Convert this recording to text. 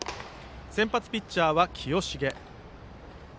先発ピッチャーは清重。